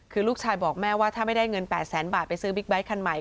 คือลูกชายบอกแม่ว่าถ้าไม่ได้เงิน๘แสนบาทไปซื้อบิ๊กไบท์คันใหม่